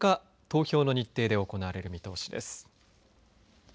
投票の日程で行われる見通しです。